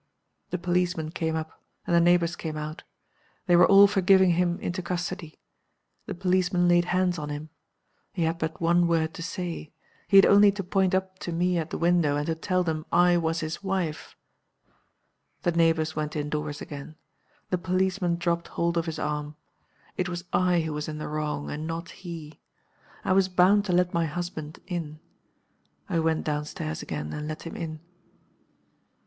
"The policeman came up, and the neighbors came out. They were all for giving him into custody. The policeman laid hands on him. He had but one word to say; he had only to point up to me at the window, and to tell them I was his wife. The neighbors went indoors again. The policeman dropped hold of his arm. It was I who was in the wrong, and not he. I was bound to let my husband in. I went down stairs again, and let him in.